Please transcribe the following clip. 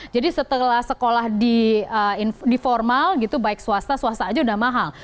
jadi setelah sekolah di formal gitu baik swasta swasta aja udah mahal